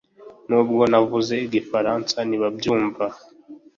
nubwo navuze igifaransa, ntibabyumva